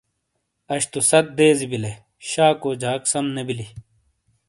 اش تو سَت دیزی بِیلے شاکو جاک سَم نے بِیلی۔